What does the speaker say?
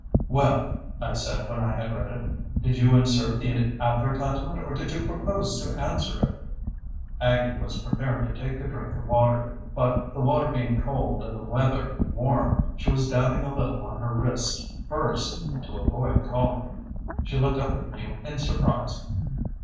"Well," I said when I had read it, "did you insert the advertisement or do you propose to answer it?" Aggie was preparing to take a drink of water, but, the water being cold and the weather warm, she was dabbing a little on her wrists first to avoid colic. She looked up at me in surprise.